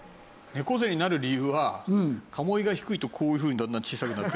猫背になる理由は鴨居が低いとこういうふうにだんだん小さくなっていくから。